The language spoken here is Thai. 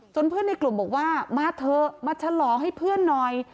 เพื่อนในกลุ่มบอกว่ามาเถอะมาฉลองให้เพื่อนหน่อย